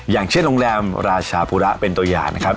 อย่างเช่นโรงแรมราชาภูระเป็นตัวอย่างนะครับ